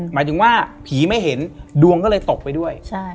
หมายถึงว่าผีไม่เห็นดวงก็เลยตกไปด้วย